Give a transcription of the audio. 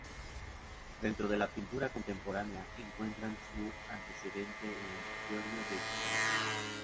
Dentro de la pintura contemporánea, encuentran su antecedente en Giorgio De Chirico.